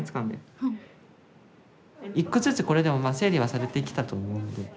１個ずつこれでもまあ整理はされてきたと思うんで。